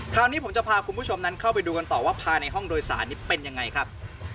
คราวนี้ผมจะพาคุณผู้ชมนั้นเข้าไปดูกันต่อว่าภายในห้องโดยสารนี้เป็นยังไงครับ